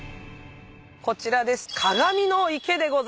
こちらです。